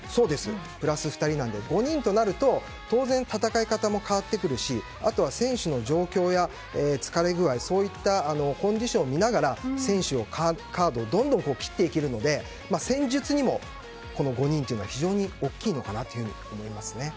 ５人となると当然、戦い方も変わってくるしあとは選手の状況や疲れ具合、そういったコンディションを見ながら選手のカードをどんどん切っていけるので、戦術にも５人というのは非常に大きいのかなと思いますね。